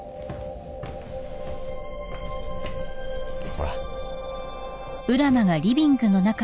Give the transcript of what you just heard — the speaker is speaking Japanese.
ほら。